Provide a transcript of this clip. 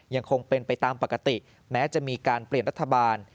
ยังคงเป็นไปตามปกติแม้จะมีการเปลี่ยนรัฐบาล